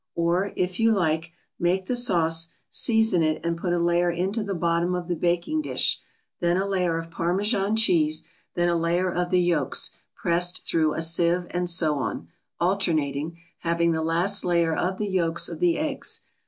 Or, if you like, make the sauce, season it and put a layer into the bottom of the baking dish, then a layer of Parmesan cheese, then a layer of the yolks, pressed through a sieve, and so on, alternating, having the last layer of the yolks of the eggs.